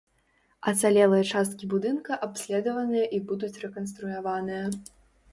Ацалелыя часткі будынка абследаваныя і будуць рэканструяваныя.